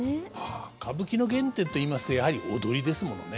歌舞伎の原点といいますとやはり踊りですものね。